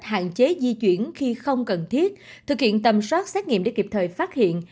hạn chế di chuyển khi không cần thiết thực hiện tầm soát xét nghiệm để kịp thời phát hiện